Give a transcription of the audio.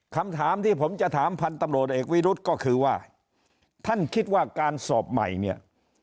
คำถามที่ผมจะถามพันธุ์ตำรวจเอกวิรุธก็คือว่าท่านคิดว่าการสอบใหม่เนี่ย